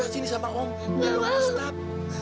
sini sama om gustaf